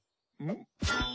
ん？